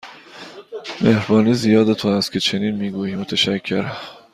مهربانی زیاد تو است که چنین می گویی، متشکرم.